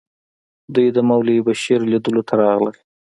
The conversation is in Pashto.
دوی د مولوي بشیر لیدلو ته راغلل.